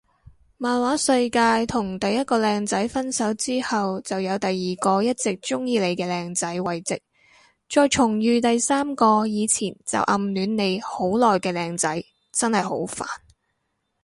漫畫世界同第一個靚仔分手之後就有第二個一直鍾意你嘅靚仔慰藉再重遇第三個以前就暗戀你好耐嘅靚仔，真係好煩